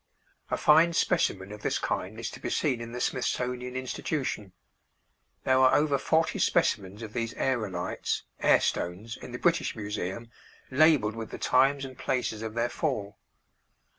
A fine specimen of this kind is to be seen in the Smithsonian Institution. There are over forty specimens of these aërolites (air stones) in the British Museum, labeled with the times and places of their fall.